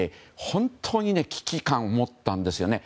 本当に危機感を持ったんですね。